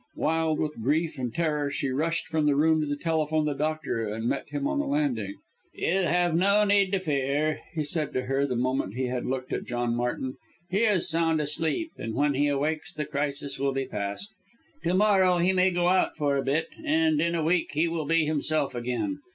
Wild with grief and terror, she rushed from the room to telephone to the doctor, and met him on the landing. "You need have no fear," he said to her the moment he had looked at John Martin, "he is sound asleep, and, when he awakes, the crisis will be past. To morrow, he may go out for a bit, and, in a week, he will be himself again.